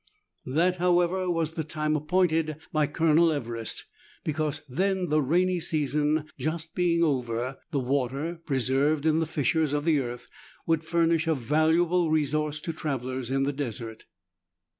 That, however, was the time appointed by Colonel Everest ; because then the rainy season just being over, the water, preserved in the fissures of the earth, would furnish a valuable resource to travellers in the desert.